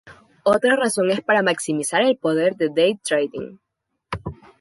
Otra razón es para maximizar el poder de day trading.